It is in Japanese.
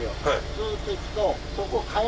ずっと行くと。